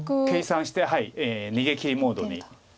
計算して逃げきりモードに。